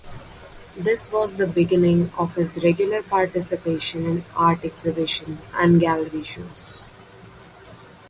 This was the beginning of his regular participation in art exhibitions and gallery shows.